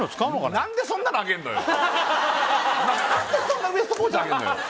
何でそんなウエストポーチあげんのよ？